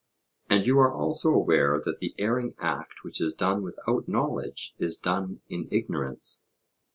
And you are also aware that the erring act which is done without knowledge is done in ignorance.